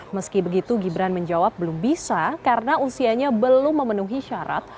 meski begitu gibran menjawab belum bisa karena usianya belum memenuhi syarat